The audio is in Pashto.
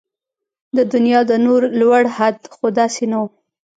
د دنيا د نور لوړ حد خو داسې نه و